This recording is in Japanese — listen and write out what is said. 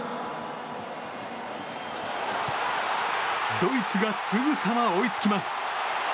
ドイツがすぐさま追いつきます。